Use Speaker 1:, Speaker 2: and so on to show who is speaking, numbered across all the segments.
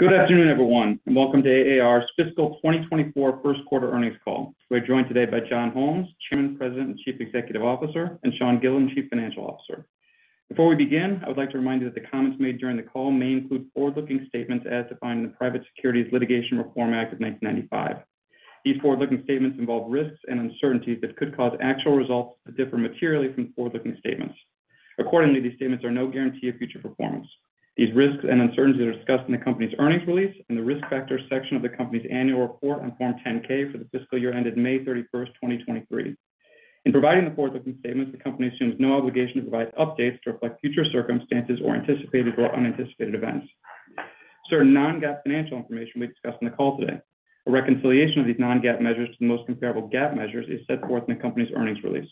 Speaker 1: Good afternoon, everyone, and welcome to AAR's Fiscal 2024 Q1 Earnings Call. We're joined today by John M. Holmes, Chairman, President, and Chief Executive Officer, and Sean Gillen, Chief Financial Officer. Before we begin, I would like to remind you that the comments made during the call may include forward-looking statements as defined in the Private Securities Litigation Reform Act of 1995. These forward-looking statements involve risks and uncertainties that could cause actual results to differ materially from forward-looking statements. Accordingly, these statements are no guarantee of future performance. These risks and uncertainties are discussed in the company's earnings release, in the Risk Factors section of the company's annual report on Form 10-K for the fiscal year ended 31 May 2023. In providing the forward-looking statements, the company assumes no obligation to provide updates to reflect future circumstances or anticipated or unanticipated events. Certain non-GAAP financial information will be discussed on the call today. A reconciliation of these non-GAAP measures to the most comparable GAAP measures is set forth in the company's earnings release.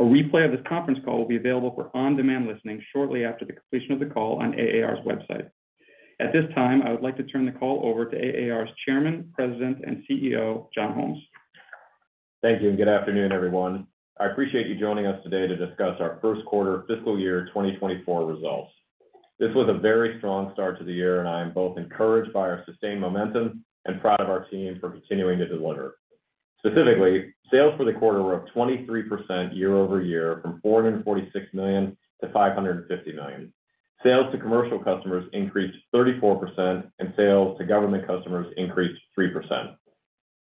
Speaker 1: A replay of this conference call will be available for on-demand listening shortly after the completion of the call on AAR's website. At this time, I would like to turn the call over to AAR's Chairman, President, and CEO, John Holmes.
Speaker 2: Thank you, and good afternoon, everyone. I appreciate you joining us today to discuss our Q1 fiscal year 2024 results. This was a very strong start to the year, and I am both encouraged by our sustained momentum and proud of our team for continuing to deliver. Specifically, sales for the quarter were up 23% year-over-year from $446 million to $550 million. Sales to commercial customers increased 34%, and sales to government customers increased 3%.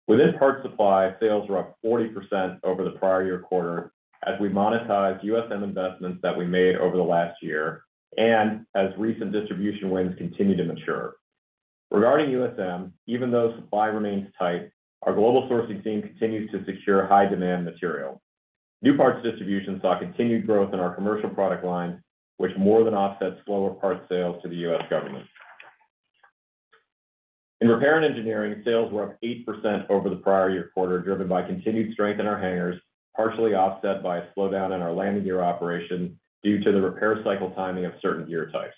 Speaker 2: Within Parts Supply, sales were up 40% over the prior-year quarter as we monetized USM investments that we made over the last year and as recent distribution wins continue to mature. Regarding USM, even though supply remains tight, our global sourcing team continues to secure high-demand material. New Parts Distribution saw continued growth in our commercial product lines, which more than offset slower parts sales to the U.S. government. In Repair and Engineering, sales were up 8% over the prior year quarter, driven by continued strength in our hangars, partially offset by a slowdown in our landing gear operation due to the repair cycle timing of certain gear types.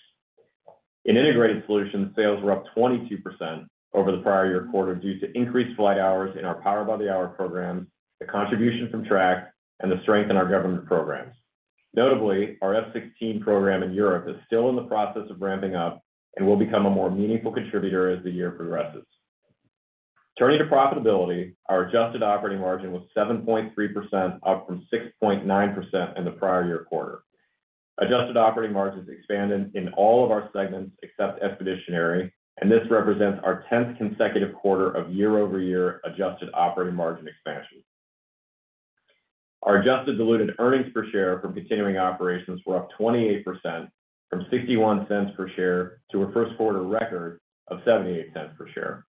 Speaker 2: In Integrated Solutions, sales were up 22% over the prior year quarter due to increased flight hours in our Power by the Hour programs, the contribution from Trax, and the strength in our government programs. Notably, our F-16 program in Europe is still in the process of ramping up and will become a more meaningful contributor as the year progresses. Turning to profitability, our adjusted operating margin was 7.3%, up from 6.9% in the prior year quarter. Adjusted operating margins expanded in all of our segments except Expeditionary, and this represents our tenth consecutive quarter of year-over-year adjusted operating margin expansion. Our adjusted diluted earnings per share from continuing operations were up 28%, from $0.61 per share to a Q1 record of $0.78 per share.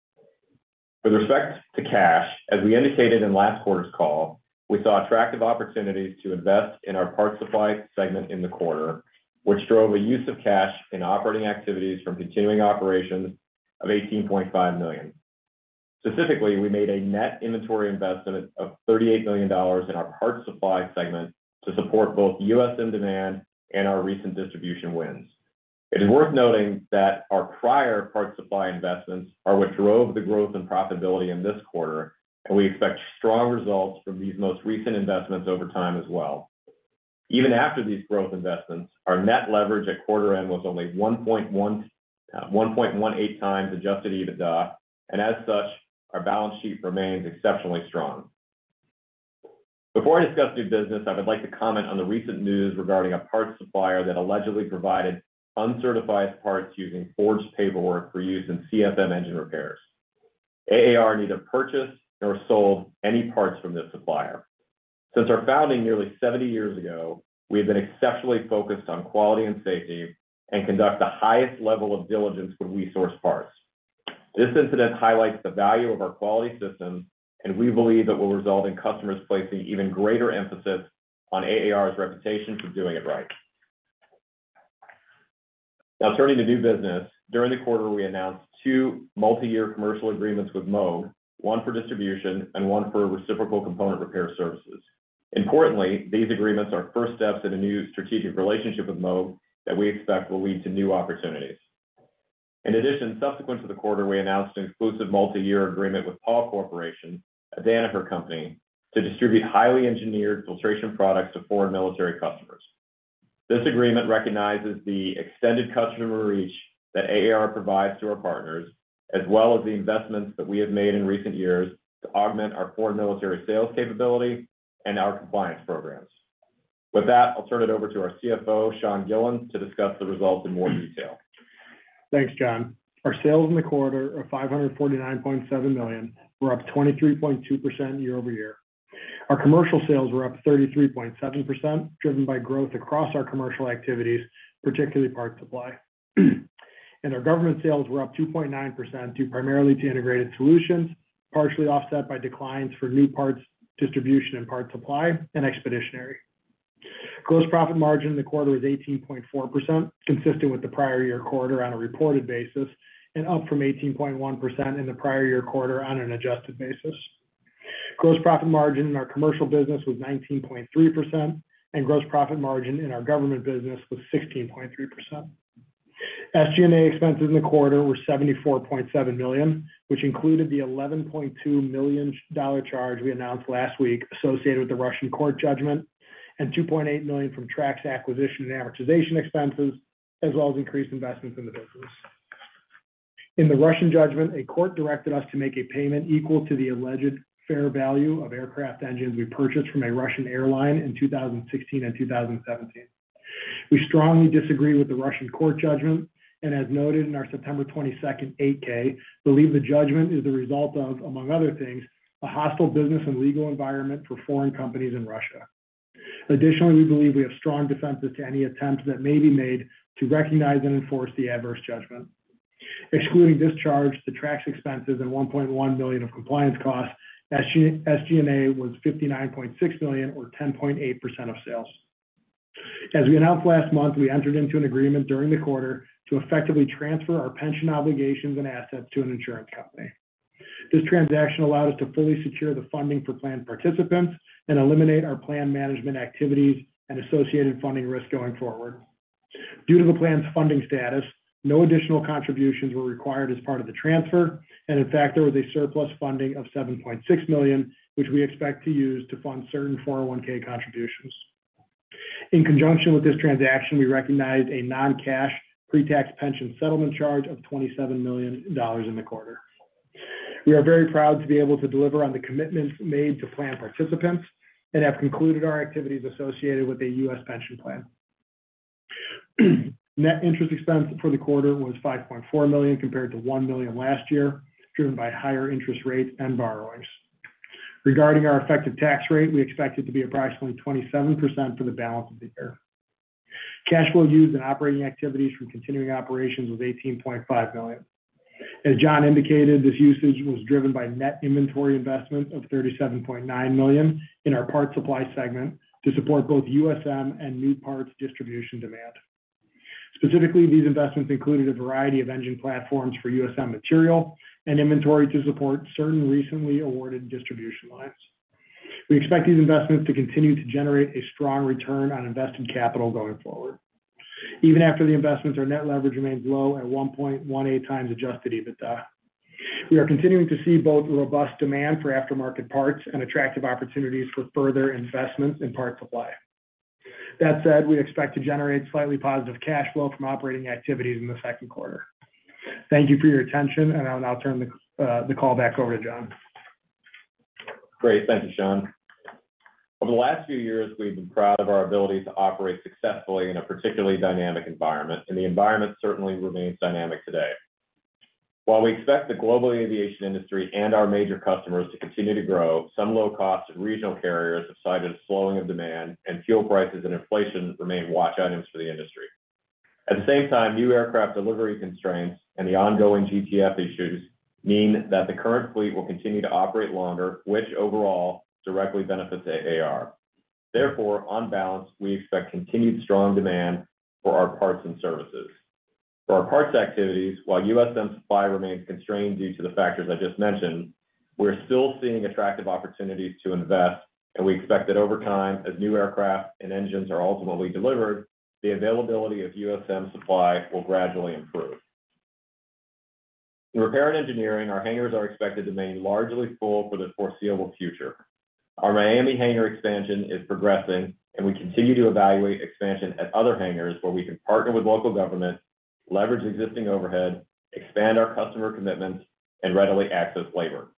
Speaker 2: With respect to cash, as we indicated in last quarter's call, we saw attractive opportunities to invest in our Parts Supply segment in the quarter, which drove a use of cash in operating activities from continuing operations of $18.5 million. Specifically, we made a net inventory investment of $38 million in our Parts Supply segment to support both USM demand and our recent distribution wins. It is worth noting that our prior Parts Supply investments are what drove the growth and profitability in this quarter, and we expect strong results from these most recent investments over time as well. Even after these growth investments, our net leverage at quarter end was only 1.18 times adjusted EBITDA, and as such, our balance sheet remains exceptionally strong. Before I discuss new business, I would like to comment on the recent news regarding a parts supplier that allegedly provided uncertified parts using forged paperwork for use in CFM engine repairs. AAR neither purchased nor sold any parts from this supplier. Since our founding nearly 70 years ago, we have been exceptionally focused on quality and safety and conduct the highest level of diligence when we source parts. This incident highlights the value of our quality systems, and we believe that will result in customers placing even greater emphasis on AAR's reputation for doing it right. Now, turning to new business. During the quarter, we announced two multi-year commercial agreements with Moog, one for distribution and one for reciprocal component repair services. Importantly, these agreements are first steps in a new strategic relationship with Moog that we expect will lead to new opportunities. In addition, subsequent to the quarter, we announced an exclusive multi-year agreement with Pall Corporation, a Danaher company, to distribute highly engineered filtration products to foreign military customers. This agreement recognizes the extended customer reach that AAR provides to our partners, as well as the investments that we have made in recent years to augment our foreign military sales capability and our compliance programs. With that, I'll turn it over to our CFO, Sean Gillen, to discuss the results in more detail.
Speaker 3: Thanks, John. Our sales in the quarter are $549.7 million, were up 23.2% year-over-year. Our commercial sales were up 33.7%, driven by growth across our commercial activities, particularly Parts Supply. Our government sales were up 2.9%, due primarily to Integrated Solutions, partially offset by declines for New Parts Distribution and Parts Supply and Expeditionary. Gross profit margin in the quarter was 18.4%, consistent with the prior year quarter on a reported basis, and up from 18.1% in the prior year quarter on an adjusted basis. Gross profit margin in our commercial business was 19.3%, and gross profit margin in our government business was 16.3%. SG&A expenses in the quarter were $74.7 million, which included the $11.2 million charge we announced last week associated with the Russian court judgment and $2.8 million from Trax acquisition and amortization expenses, as well as increased investments in the business. ...In the Russian judgment, a court directed us to make a payment equal to the alleged fair value of aircraft engines we purchased from a Russian airline in 2016 and 2017. We strongly disagree with the Russian court judgment, and as noted in our September 22 8-K, believe the judgment is the result of, among other things, a hostile business and legal environment for foreign companies in Russia. Additionally, we believe we have strong defenses to any attempts that may be made to recognize and enforce the adverse judgment. Excluding this charge, the Trax expenses and $1.1 million of compliance costs, SG&A was $59.6 billion or 10.8% of sales. As we announced last month, we entered into an agreement during the quarter to effectively transfer our pension obligations and assets to an insurance company. This transaction allowed us to fully secure the funding for plan participants and eliminate our plan management activities and associated funding risk going forward. Due to the plan's funding status, no additional contributions were required as part of the transfer, and in fact, there was a surplus funding of $7.6 million, which we expect to use to fund certain 401(k) contributions. In conjunction with this transaction, we recognized a non-cash pretax pension settlement charge of $27 million in the quarter. We are very proud to be able to deliver on the commitments made to plan participants and have concluded our activities associated with the U.S. pension plan. Net interest expense for the quarter was $5.4 million, compared to $1 million last year, driven by higher interest rates and borrowings. Regarding our effective tax rate, we expect it to be approximately 27% for the balance of the year. Cash flow used in operating activities from continuing operations was $18.5 million. As John indicated, this usage was driven by net inventory investment of $37.9 million in our parts supply segment to support both USM and new parts distribution demand. Specifically, these investments included a variety of engine platforms for USM material and inventory to support certain recently awarded distribution lines. We expect these investments to continue to generate a strong return on invested capital going forward. Even after the investments, our net leverage remains low at 1.18 times Adjusted EBITDA. We are continuing to see both robust demand for aftermarket parts and attractive opportunities for further investment in part supply. That said, we expect to generate slightly positive cash flow from operating activities in the Q2. Thank you for your attention, and I'll now turn the call back over to John.
Speaker 2: Great. Thank you, Sean. Over the last few years, we've been proud of our ability to operate successfully in a particularly dynamic environment, and the environment certainly remains dynamic today. While we expect the global aviation industry and our major customers to continue to grow, some low-cost and regional carriers have cited a slowing of demand, and fuel prices and inflation remain watch items for the industry. At the same time, new aircraft delivery constraints and the ongoing GTF issues mean that the current fleet will continue to operate longer, which overall directly benefits AAR. Therefore, on balance, we expect continued strong demand for our parts and services. For our parts activities, while USM supply remains constrained due to the factors I just mentioned, we're still seeing attractive opportunities to invest, and we expect that over time, as new aircraft and engines are ultimately delivered, the availability of USM supply will gradually improve. In repair and engineering, our hangars are expected to remain largely full for the foreseeable future. Our Miami hangar expansion is progressing, and we continue to evaluate expansion at other hangars where we can partner with local government, leverage existing overhead, expand our customer commitments, and readily access labor.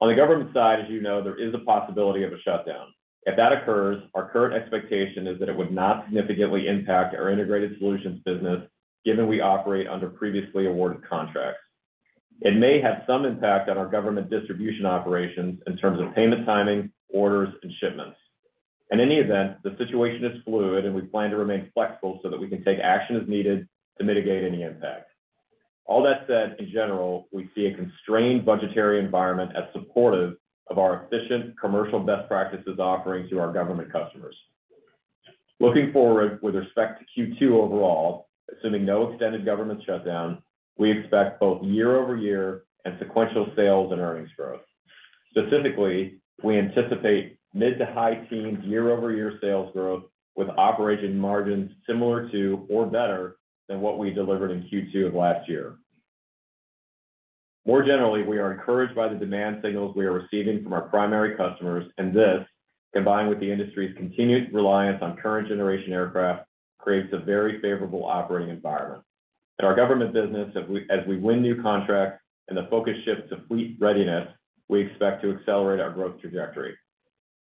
Speaker 2: On the government side, as you know, there is a possibility of a shutdown. If that occurs, our current expectation is that it would not significantly impact our integrated solutions business, given we operate under previously awarded contracts. It may have some impact on our government distribution operations in terms of payment, timing, orders, and shipments. In any event, the situation is fluid, and we plan to remain flexible so that we can take action as needed to mitigate any impact. All that said, in general, we see a constrained budgetary environment as supportive of our efficient commercial best practices offering to our government customers. Looking forward with respect to Q2 overall, assuming no extended government shutdown, we expect both year-over-year and sequential sales and earnings growth. Specifically, we anticipate mid to high teens year-over-year sales growth, with operating margins similar to or better than what we delivered in Q2 of last year. More generally, we are encouraged by the demand signals we are receiving from our primary customers, and this, combined with the industry's continued reliance on current generation aircraft, creates a very favorable operating environment. In our government business, as we win new contracts and the focus shifts to fleet readiness, we expect to accelerate our growth trajectory.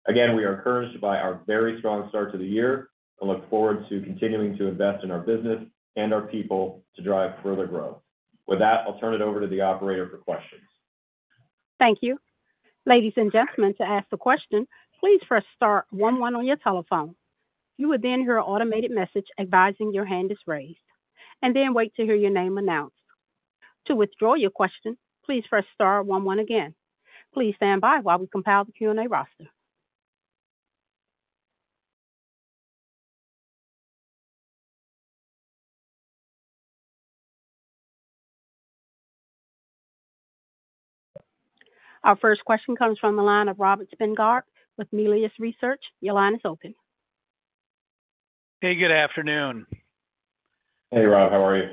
Speaker 2: Again, we are encouraged by our very strong start to the year and look forward to continuing to invest in our business and our people to drive further growth. With that, I'll turn it over to the operator for questions.
Speaker 1: Thank you. Ladies and gentlemen, to ask a question, please press star one one on your telephone. You would then hear an automated message advising your hand is raised, and then wait to hear your name announced. To withdraw your question, please press star one one again. Please stand by while we compile the Q&A roster. Our first question comes from the line of Robert Spingarn with Melius Research. Your line is open.
Speaker 4: Hey, good afternoon.
Speaker 2: Hey, Rob, how are you?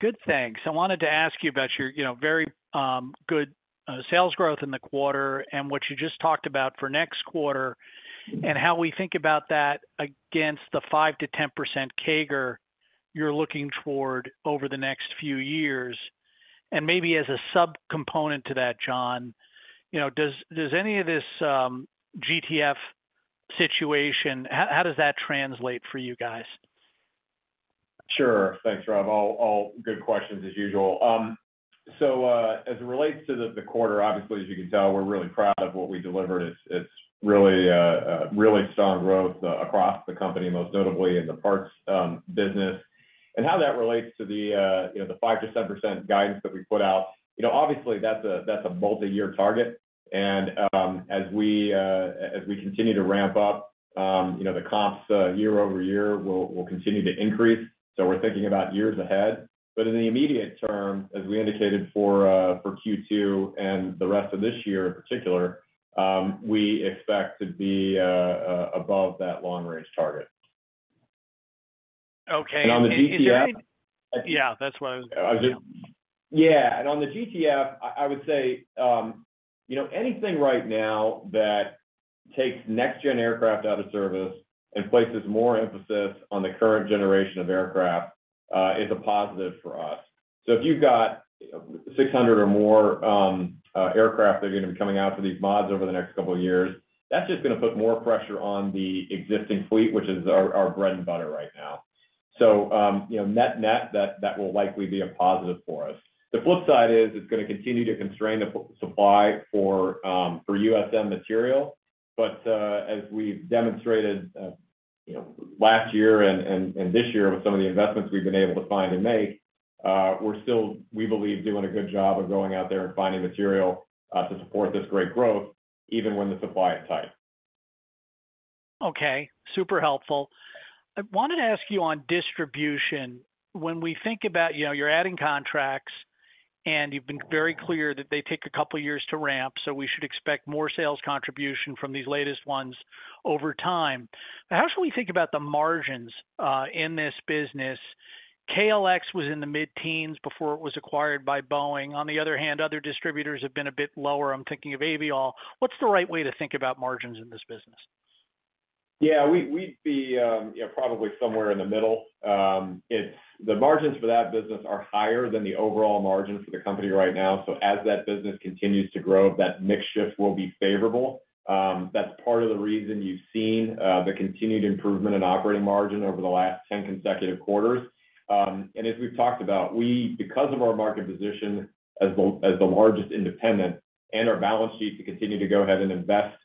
Speaker 4: Good, thanks. I wanted to ask you about your, you know, very good sales growth in the quarter and what you just talked about for next quarter, and how we think about that against the 5%-10% CAGR you're looking toward over the next few years, and maybe as a subcomponent to that, John, you know, does any of this GTF situation, how does that translate for you guys?
Speaker 2: Sure. Thanks, Rob. All, all good questions as usual. So, as it relates to the, the quarter, obviously, as you can tell, we're really proud of what we delivered. It's, it's really, a really strong growth across the company, most notably in the parts, business. And how that relates to the, you know, the 5%-7% guidance that we put out, you know, obviously, that's a, that's a multiyear target. And, as we, as we continue to ramp up, you know, the comps year-over-year will, will continue to increase. So we're thinking about years ahead. But in the immediate term, as we indicated for, for Q2 and the rest of this year in particular, we expect to be, above that long-range target.
Speaker 4: Okay, and-
Speaker 2: On the GTF-
Speaker 4: Yeah, that's what I was...
Speaker 2: Yeah, and on the GTF, I would say, you know, anything right now that takes next-gen aircraft out of service and places more emphasis on the current generation of aircraft, is a positive for us. So if you've got 600 or more, aircraft that are going to be coming out for these mods over the next couple of years, that's just gonna put more pressure on the existing fleet, which is our, our bread and butter right now. So, you know, net, that, that will likely be a positive for us. The flip side is, it's gonna continue to constrain the supply for, for USM material. But, as we've demonstrated, you know, last year and this year with some of the investments we've been able to find and make, we're still, we believe, doing a good job of going out there and finding material to support this great growth, even when the supply is tight.
Speaker 4: Okay, super helpful. I wanted to ask you on distribution, when we think about, you know, you're adding contracts, and you've been very clear that they take a couple of years to ramp, so we should expect more sales contribution from these latest ones over time. How should we think about the margins in this business? KLX was in the mid-teens before it was acquired by Boeing. On the other hand, other distributors have been a bit lower. I'm thinking of Aviall. What's the right way to think about margins in this business?
Speaker 2: Yeah, we'd be, you know, probably somewhere in the middle. It's the margins for that business are higher than the overall margin for the company right now. So as that business continues to grow, that mix shift will be favorable. That's part of the reason you've seen the continued improvement in operating margin over the last 10 consecutive quarters. And as we've talked about, we, because of our market position as the largest independent and our balance sheet to continue to go ahead and invest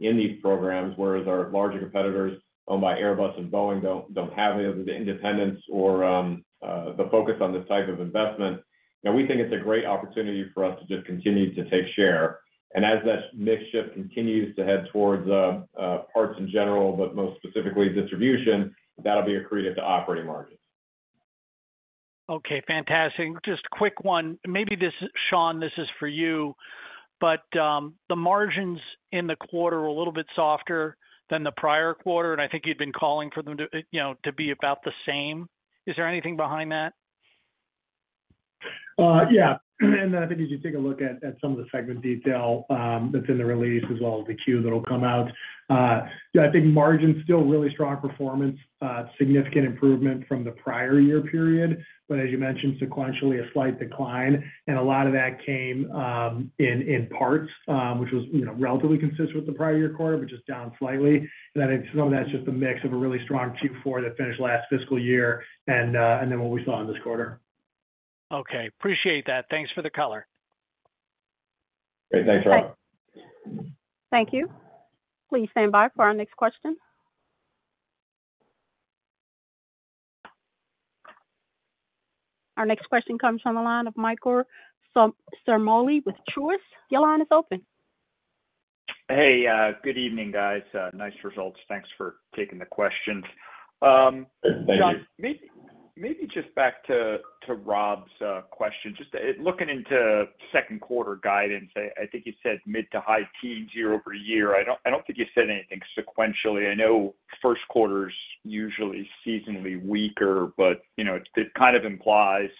Speaker 2: in these programs, whereas our larger competitors, owned by Airbus and Boeing, don't have the independence or the focus on this type of investment, and we think it's a great opportunity for us to just continue to take share. As that mix shift continues to head towards parts in general, but most specifically distribution, that'll be accretive to operating margin.
Speaker 4: Okay, fantastic. Just quick one. Maybe this, Sean, this is for you, but, the margins in the quarter were a little bit softer than the prior quarter, and I think you've been calling for them to, you know, to be about the same. Is there anything behind that?
Speaker 3: Yeah, and I think if you take a look at some of the segment detail that's in the release, as well as the Q that'll come out. I think margin's still really strong performance, significant improvement from the prior year period, but as you mentioned, sequentially, a slight decline, and a lot of that came in parts, which was, you know, relatively consistent with the prior year quarter, but just down slightly. And then some of that's just a mix of a really strong Q4 that finished last fiscal year and then what we saw in this quarter.
Speaker 4: Okay, appreciate that. Thanks for the color.
Speaker 2: Great. Thanks, Rob.
Speaker 1: Thank you. Please stand by for our next question. Our next question comes from the line of Michael Ciarmoli with Truist. Your line is open.
Speaker 5: Hey, good evening, guys. Nice results. Thanks for taking the questions.
Speaker 2: Thank you.
Speaker 5: John, maybe just back to Rob's question, just looking into Q2 guidance, I think you said mid- to high teens year over year. I don't think you said anything sequentially. I know Q1's usually seasonally weaker, but you know, it kind of implies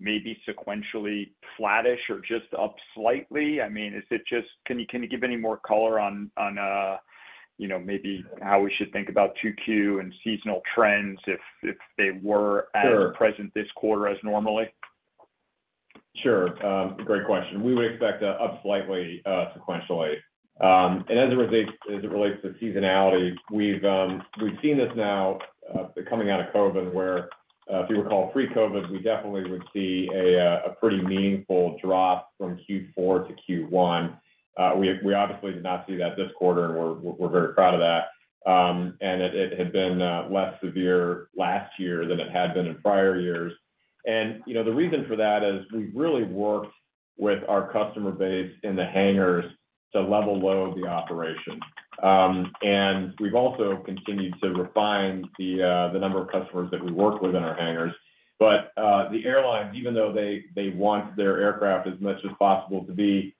Speaker 5: maybe sequentially flattish or just up slightly. I mean, is it just—can you give any more color on you know, maybe how we should think about 2Q and seasonal trends if they were-
Speaker 2: Sure...
Speaker 5: as present this quarter as normally?
Speaker 2: Sure. Great question. We would expect up slightly sequentially. And as it relates to seasonality, we've seen this now coming out of COVID, where if you recall, pre-COVID, we definitely would see a pretty meaningful drop from Q4 to Q1. We obviously did not see that this quarter, and we're very proud of that. And it had been less severe last year than it had been in prior years. And, you know, the reason for that is we've really worked with our customer base in the hangars to level load the operation. And we've also continued to refine the number of customers that we work with in our hangars. But, the airlines, even though they, they want their aircraft as much as possible to be,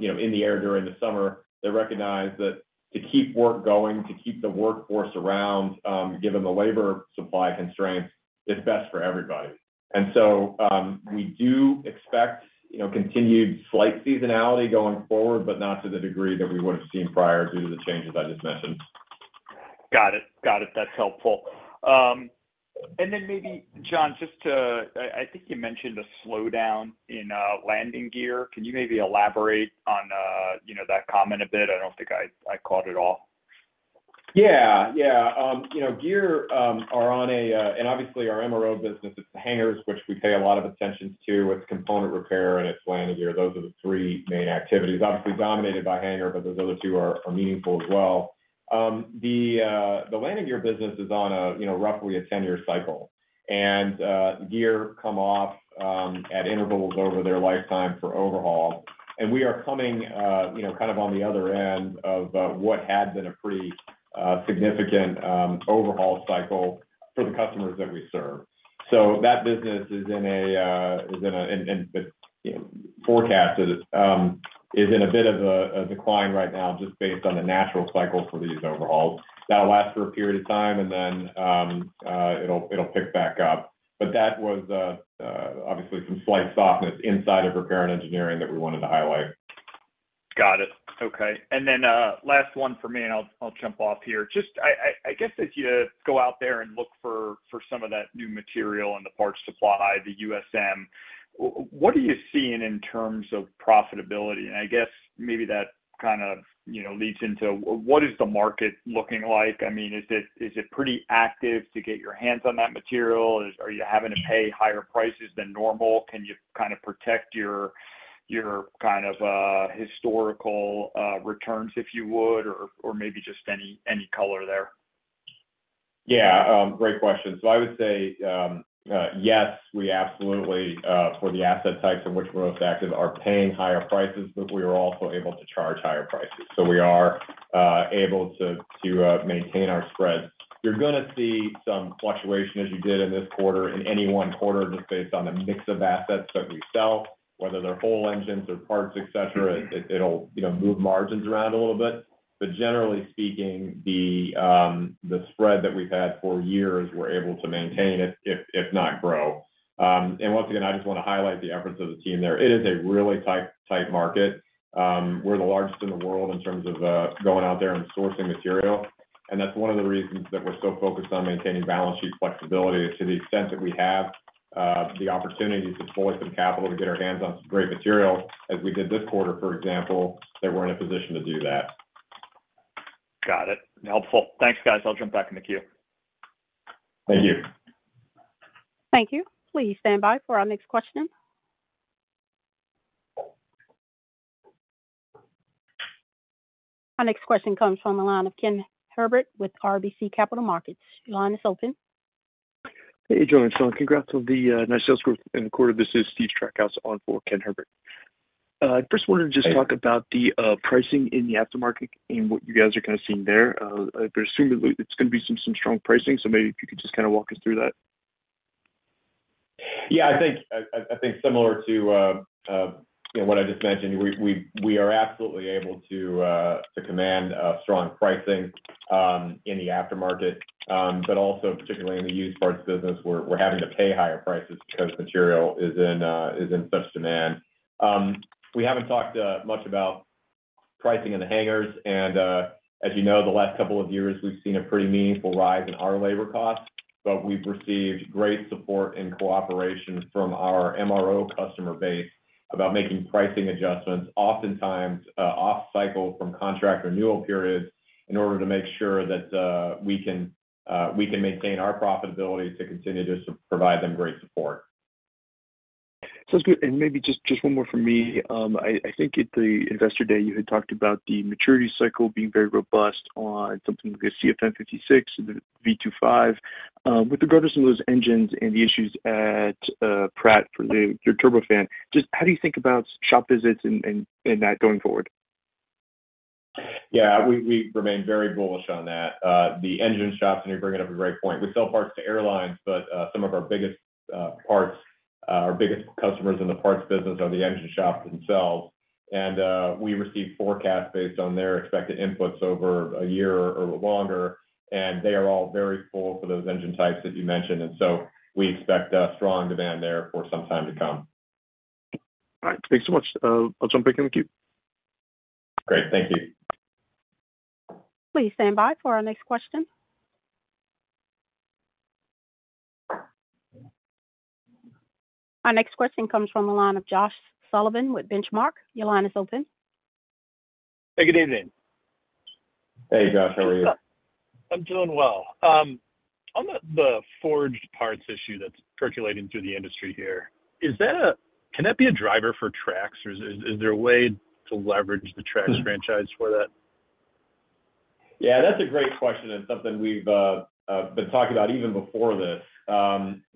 Speaker 2: you know, in the air during the summer, they recognize that to keep work going, to keep the workforce around, given the labor supply constraints, it's best for everybody. And so, we do expect, you know, continued slight seasonality going forward, but not to the degree that we would have seen prior due to the changes I just mentioned....
Speaker 5: Got it. Got it. That's helpful. And then maybe, John, just to, I think you mentioned a slowdown in landing gear. Can you maybe elaborate on you know, that comment a bit? I don't think I caught it all.
Speaker 2: Yeah. Yeah. You know, gear are on a... And obviously, our MRO business is hangars, which we pay a lot of attention to, with component repair, and it's landing gear. Those are the three main activities. Obviously dominated by hangar, but those other two are meaningful as well. The landing gear business is on a, you know, roughly a 10-year cycle. And gear come off at intervals over their lifetime for overhaul. And we are coming, you know, kind of on the other end of what had been a pretty significant overhaul cycle for the customers that we serve. So that business is in a, is in a, and, you know, forecast is in a bit of a decline right now, just based on the natural cycle for these overhauls. That'll last for a period of time, and then it'll pick back up. But that was obviously some slight softness inside of repair and engineering that we wanted to highlight.
Speaker 5: Got it. Okay. And then last one for me, and I'll jump off here. Just I guess as you go out there and look for some of that new material in the parts supply, the USM, what are you seeing in terms of profitability? And I guess maybe that kind of, you know, leads into what is the market looking like? I mean, is it pretty active to get your hands on that material? Is? Are you having to pay higher prices than normal? Can you kind of protect your kind of historical returns, if you would, or maybe just any color there?
Speaker 2: Yeah, great question. So I would say, yes, we absolutely, for the asset types in which we're most active, are paying higher prices, but we are also able to charge higher prices. So we are able to maintain our spreads. You're gonna see some fluctuation, as you did in this quarter, in any one quarter, just based on the mix of assets that we sell, whether they're whole engines or parts, et cetera. It'll, you know, move margins around a little bit. But generally speaking, the spread that we've had for years, we're able to maintain it, if not grow. And once again, I just want to highlight the efforts of the team there. It is a really tight, tight market. We're the largest in the world in terms of going out there and sourcing material, and that's one of the reasons that we're so focused on maintaining balance sheet flexibility. To the extent that we have the opportunity to deploy some capital to get our hands on some great material, as we did this quarter, for example, that we're in a position to do that.
Speaker 5: Got it. Helpful. Thanks, guys. I'll jump back in the queue.
Speaker 2: Thank you.
Speaker 1: Thank you. Please stand by for our next question. Our next question comes from the line of Kenneth Herbert with RBC Capital Markets. Your line is open.
Speaker 6: Hey, Joe and Sean, congrats on the nice sales growth in the quarter. This is Steve Tusa on for Ken Herbert. I first wanted to just-
Speaker 2: Hey-
Speaker 6: Talk about the pricing in the aftermarket and what you guys are kind of seeing there. I presume it's gonna be some strong pricing, so maybe if you could just kind of walk us through that.
Speaker 2: Yeah, I think similar to, you know, what I just mentioned, we are absolutely able to command strong pricing in the aftermarket. But also particularly in the used parts business, we're having to pay higher prices because material is in such demand. We haven't talked much about pricing in the hangars, and as you know, the last couple of years, we've seen a pretty meaningful rise in our labor costs. But we've received great support and cooperation from our MRO customer base about making pricing adjustments, oftentimes off cycle from contract renewal periods, in order to make sure that we can maintain our profitability to continue to provide them great support.
Speaker 6: Sounds good, and maybe just, just one more from me. I think at the investor day, you had talked about the maturity cycle being very robust on something like a CFM56, the V2500. With the progress on those engines and the issues at Pratt for your turbofan, just how do you think about shop visits and that going forward?
Speaker 2: Yeah, we remain very bullish on that. The engine shops, and you're bringing up a great point. We sell parts to airlines, but some of our biggest parts, our biggest customers in the parts business are the engine shops themselves. And we receive forecasts based on their expected inputs over a year or longer, and they are all very full for those engine types that you mentioned, and so we expect a strong demand there for some time to come.
Speaker 6: All right. Thanks so much. I'll jump back in the queue.
Speaker 2: Great. Thank you.
Speaker 1: Please stand by for our next question. Our next question comes from the line of Josh Sullivan with Benchmark. Your line is open.
Speaker 7: Hey, good evening.
Speaker 2: Hey, Josh, how are you?
Speaker 7: I'm doing well. On the forged parts issue that's percolating through the industry here, is that a... Can that be a driver for Trax, or is there a way to leverage the Trax franchise for that?
Speaker 2: Yeah, that's a great question and something we've been talking about even before this.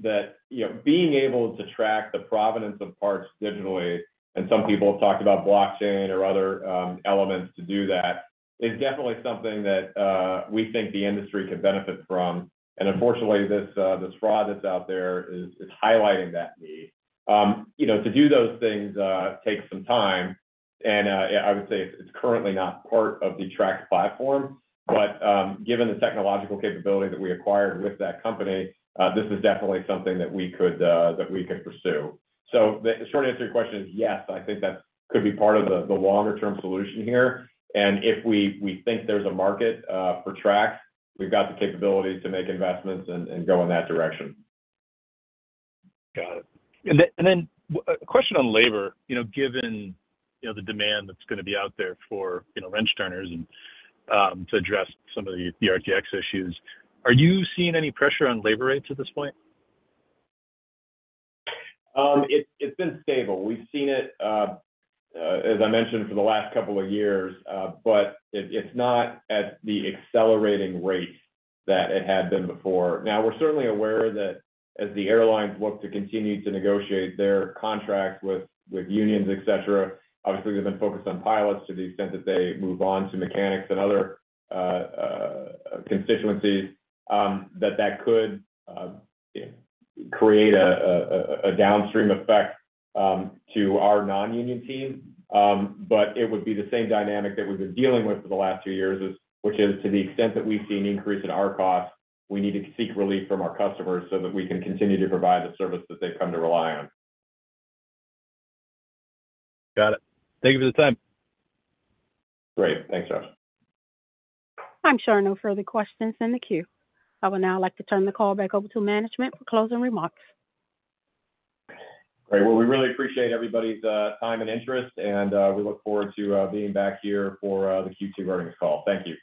Speaker 2: That, you know, being able to track the provenance of parts digitally, and some people have talked about blockchain or other elements to do that, is definitely something that we think the industry can benefit from. And unfortunately, this fraud that's out there is highlighting that need. You know, to do those things takes some time, and I would say it's currently not part of the Trax platform, but given the technological capability that we acquired with that company, this is definitely something that we could pursue. So the short answer to your question is yes, I think that could be part of the longer-term solution here. If we think there's a market for Trax, we've got the capabilities to make investments and go in that direction.
Speaker 7: Got it. And then, a question on labor. You know, given, you know, the demand that's gonna be out there for, you know, wrench turners and to address some of the RTX issues, are you seeing any pressure on labor rates at this point?
Speaker 2: It's been stable. We've seen it, as I mentioned, for the last couple of years, but it's not at the accelerating rate that it had been before. Now, we're certainly aware that as the airlines look to continue to negotiate their contracts with unions, et cetera, obviously, they've been focused on pilots to the extent that they move on to mechanics and other constituencies, that could create a downstream effect to our non-union team. But it would be the same dynamic that we've been dealing with for the last few years, which is to the extent that we've seen an increase in our costs, we need to seek relief from our customers so that we can continue to provide the service that they've come to rely on.
Speaker 7: Got it. Thank you for the time.
Speaker 2: Great. Thanks, Josh.
Speaker 1: I'm showing no further questions in the queue. I would now like to turn the call back over to management for closing remarks.
Speaker 2: Great. Well, we really appreciate everybody's time and interest, and we look forward to being back here for the Q2 Earnings Call. Thank you.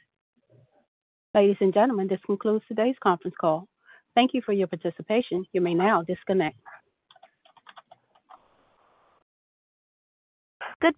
Speaker 1: Ladies and gentlemen, this concludes today's conference call. Thank you for your participation. You may now disconnect. Good day!